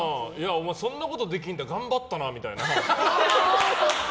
お前、そんなことできんだ頑張ったなみたいな。